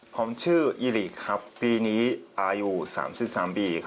ผมชื่ออิริครับปีนี้อายุ๓๓ปี